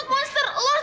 metu itu ditarik rain